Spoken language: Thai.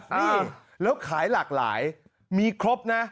นี่แล้วขายหลากหลายมีครบนะ